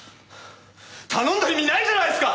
頼んだ意味ないじゃないっすか！